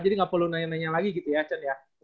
nggak perlu nanya nanya lagi gitu ya chen ya